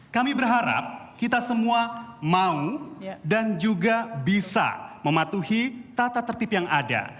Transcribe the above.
kami berharap kita semua mau dan juga bisa mematuhi tata tertib yang ada